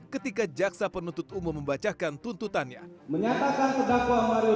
ketika jaksa penuntut umum membacakan tuntutannya menyatakan pedagang mario